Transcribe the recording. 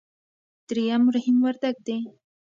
درېم رحيم وردګ دی.